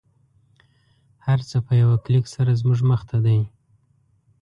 هر څه په یوه کلیک سره زموږ مخته دی